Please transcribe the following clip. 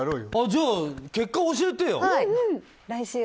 じゃあ結果教えてよ。